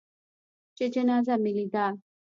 چې جنازه مې لېده.